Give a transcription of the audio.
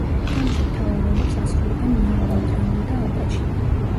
ფილმში მთავარ როლებს ასრულებენ მარლონ ბრანდო და ალ პაჩინო.